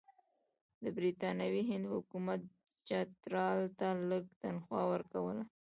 د برټانوي هند حکومت چترال ته لږه تنخوا ورکوله.